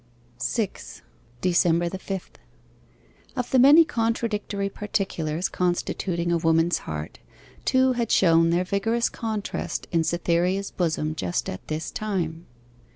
6. DECEMBER THE FIFTH Of the many contradictory particulars constituting a woman's heart, two had shown their vigorous contrast in Cytherea's bosom just at this time.